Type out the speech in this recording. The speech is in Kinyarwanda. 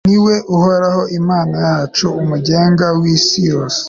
ni we uhoraho, imana yacu, umugenga w'isi yose